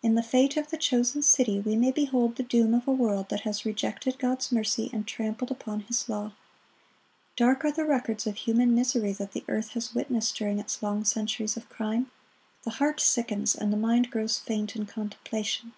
In the fate of the chosen city we may behold the doom of a world that has rejected God's mercy and trampled upon His law. Dark are the records of human misery that earth has witnessed during its long centuries of crime. The heart sickens and the mind grows faint in contemplation.